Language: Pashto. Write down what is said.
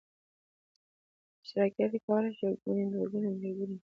اشتراکي اړیکه کولای شي یو ګونې، دوه ګونې او درې ګونې وي.